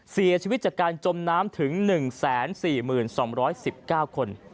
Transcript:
เสียชีวิตจากการจมน้ำถึง๑๔๒๑๙คน